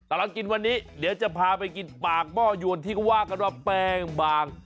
ตลอดกินวันนี้เดี๋ยวจะพาไปกินปากหม้อยวนที่เขาว่ากันว่าแป้งบาง